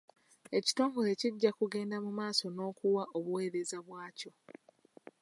Ekitongole kijja kugenda mu maaso n'okuwa obuweereza bwakyo.